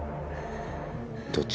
どっち？